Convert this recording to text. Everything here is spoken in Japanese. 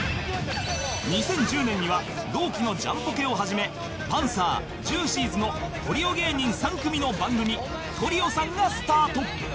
２０１０年には同期のジャンポケを始めパンサージューシーズのトリオ芸人３組の番組『３３３トリオさん』がスタート